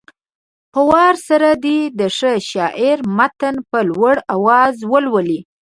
په وار سره دې د ښه شاعر متن په لوړ اواز ولولي.